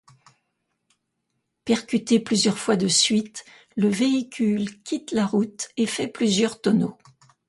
Percuté plusieurs fois de suite, le véhicule, quitte la route et fait plusieurs tonneaux.